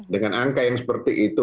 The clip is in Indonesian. dengan angka yang seperti itu